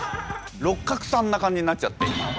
六角さんな感じになっちゃって今。